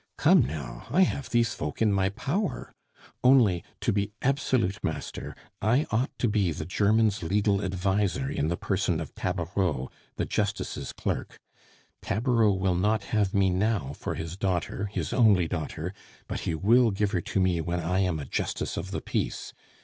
"Come now, I have these folk in my power. Only, to be absolute master, I ought to be the German's legal adviser in the person of Tabareau, the justice's clerk. Tabareau will not have me now for his daughter, his only daughter, but he will give her to me when I am a justice of the peace.